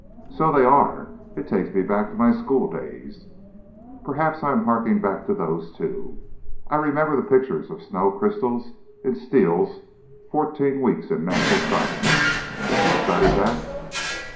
"So they are! It takes me back to my school days." "Perhaps I'm harking back to those, too. I remember the pictures of snow crystals in 'Steele's Fourteen Weeks in Natural Science.' Did you study that?"